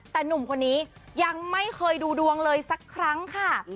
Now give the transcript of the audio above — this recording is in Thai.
แต่หนุ่มคนนี้ยังไม่เคยดูดวงเลยสักครั้งค่ะ